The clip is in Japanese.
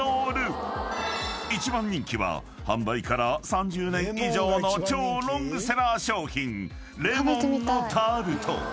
［一番人気は販売から３０年以上の超ロングセラー商品］